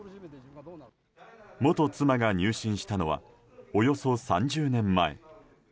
元妻が入信したのはおよそ３０年前。